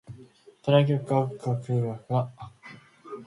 隣の客はよく柿喰う客だ